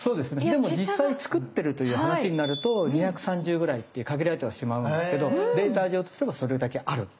でも実際作ってるという話になると２３０ぐらいって限られてはしまうんですけどデータ上としてもそれだけある。